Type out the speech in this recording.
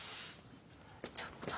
ちょっと。